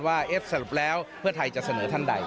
ว่าสรุปแล้วเพื่อไทยจะเสนอท่านใด